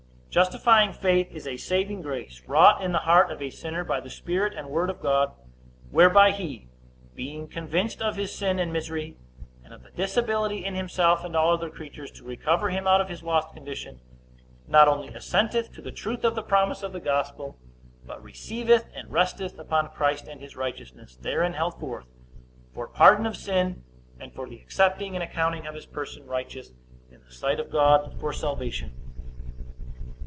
Justifying faith is a saving grace, wrought in the heart of a sinner by the Spirit and Word of God, whereby he, being convinced of his sin and misery, and of the disability in himself and all other creatures to recover him out of his lost condition, not only assenteth to the truth of the promise of the gospel, but receiveth and resteth upon Christ and his righteousness, therein held forth, for pardon of sin, and for the accepting and accounting of his person righteous in the sight of God for salvation.